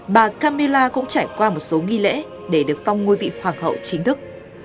bà kamila cũng trải qua một số nghi lễ để được phong ngôi vị hoàng hậu chính thức